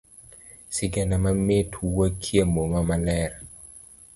Sigana mamit wuokie muma maler.